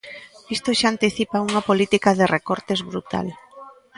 Isto xa anticipa unha política de recortes brutal.